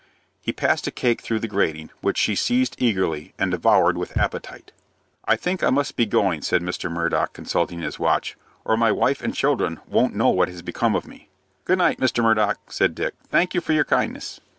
He passed a cake through the grating, which she seized eagerly, and devoured with appetite. "I think I must be going," said Mr. Murdock, consulting his watch, "or my wife and children won't know what has become of me." "Good night, Mr. Murdock," said Dick. "Thank you for your kindness."